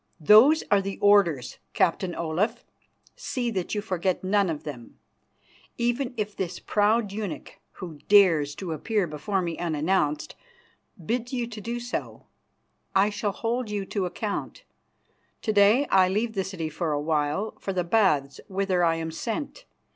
"Those are the orders, Captain Olaf. See that you forget none of them. Even if this proud eunuch, who dares to appear before me unannounced, bids you to do so, I shall hold you to account. To day I leave the city for a while for the Baths whither I am sent.